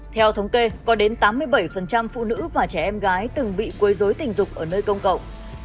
theo thống kê có đến tám mươi bảy phụ nữ và trẻ em gái từng bị quấy dối tình dục ở nơi công cộng